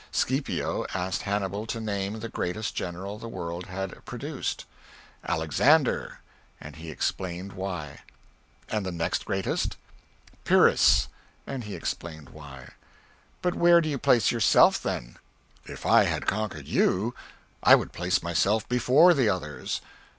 Scipio asked Hannibal to name the greatest general the world had produced. "Alexander" and he explained why. "And the next greatest?" "Pyrrhus" and he explained why. "But where do you place yourself, then?" "If I had conquered you I would place myself before the others."